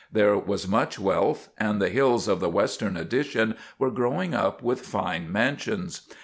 There was much wealth; and the hills of the western addition were growing up with fine mansions.